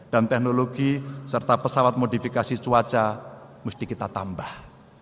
dan teknologi serta pesawat modifikasi cuaca mesti kita tambah